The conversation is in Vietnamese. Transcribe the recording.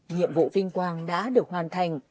nhiệm vụ vinh quang đã được hoàn thành